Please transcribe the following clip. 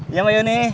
iya mbak yuni